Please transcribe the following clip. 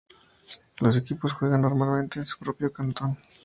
Los equipos juegan normalmente en su propio cantón.